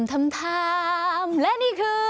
ทำทำและนี่คือ